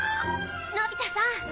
のび太さん。